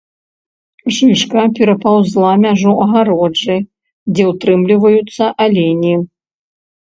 Жыжка перапаўзла мяжу агароджы, дзе ўтрымліваюцца алені.